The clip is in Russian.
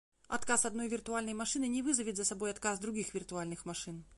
Отказ одной виртуальной машины не вызовет за собой отказ других виртуальных машин